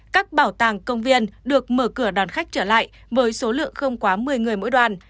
các bảo tàng công viên được mở cửa đón khách trở lại với số lượng không quá một mươi người mỗi đoàn